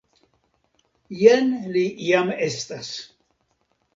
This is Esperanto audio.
Jen li jam estas.